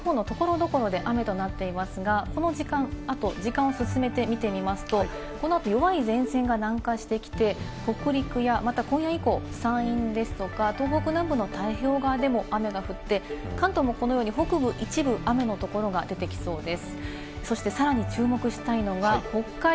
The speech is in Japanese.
現在、北日本の所々で雨となっていますが、この時間、あとは時間を進めて見てみますと、このあと弱い前線が南下してきて、北陸やまた今夜以降、山陰ですとか東北南部の太平洋側でも雨が降って、関東もこのように北部の一部、雨のところが出てきそうです。